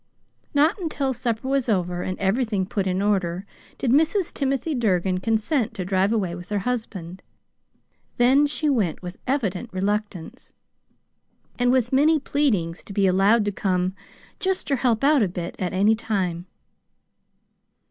Not until supper was over, and everything put in order, did Mrs. Timothy Durgin consent to drive away with her husband; then she went with evident reluctance, and with many pleadings to be allowed to come "just ter help out a bit" at any time.